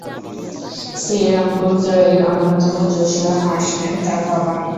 শ্রীরামপুর ত্রয়ীর অন্যতম Joshua Marshman তার বাবা।